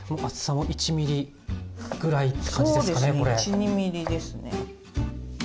１２ミリですね。